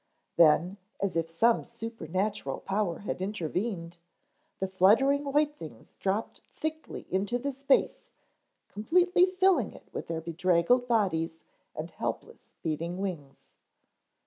Then, as if some supernatural power had intervened, the fluttering white things dropped thickly into the space, completely filling it with their bedraggled bodies and helpless beating wings.